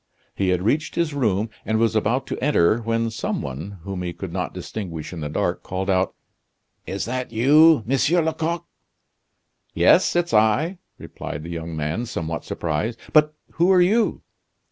He had reached his room, and was about to enter, when some one, whom he could not distinguish in the dark, called out: "Is that you, Monsieur Lecoq?" "Yes, it's I!" replied the young man, somewhat surprised; "but who are you?"